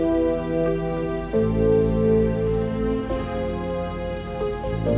kamu sedang membaca